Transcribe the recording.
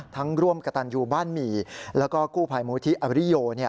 ร่วมกระตันยูบ้านหมี่แล้วก็กู้ภัยมูลที่อริโย